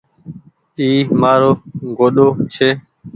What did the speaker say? اي مآرو گوڏو ڇي۔